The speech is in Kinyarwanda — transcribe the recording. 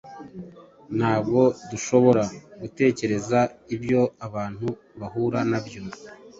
Ntabwo dushobora gutekereza ibyo abantu bahura nabyo